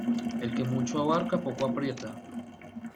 El que mucho abarca poco aprieta.